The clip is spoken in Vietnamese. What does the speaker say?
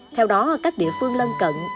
theo đó các địa phương lân cận